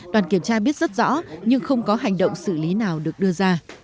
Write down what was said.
đoàn kiểm tra biết rất rõ nhưng không có hành động xử lý nào được đưa ra